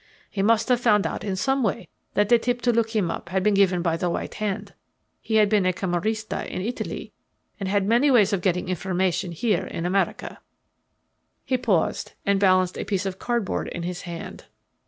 He must have found out in some way that the tip to look him up had been given by the White Hand. He had been a Camorrista, in Italy, and had many ways of getting information here in America." He paused, and balanced a piece of cardboard in his hand.